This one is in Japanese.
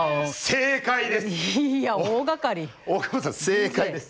正解です！